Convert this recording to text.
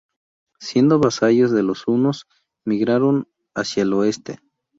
Siendo vasallos de los hunos, migraron hacia el oeste.